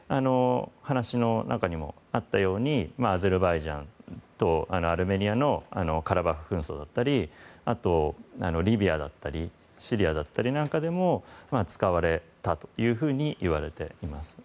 話の中にもあったようにアゼルバイジャンとアルメニアの戦争だったりあと、リビアだったりシリアだったりも使われたというふうに言われています。